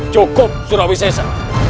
cukup raih seru sesa